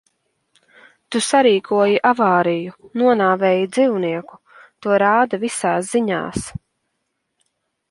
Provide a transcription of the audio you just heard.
Tu sarīkoji avāriju, nonāvēji dzīvnieku. To rāda visās ziņās.